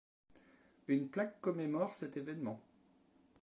Une plaque commémore cet évènement.